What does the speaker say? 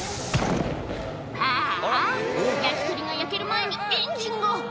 あーあ、焼き鳥が焼ける前に、エンジンが。